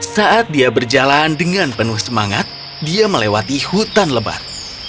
saat dia berjalan dengan penuh semangat dia melewati hutan lebar